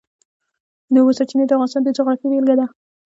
د اوبو سرچینې د افغانستان د جغرافیې بېلګه ده.